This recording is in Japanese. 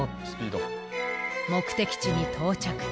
目的地に到着。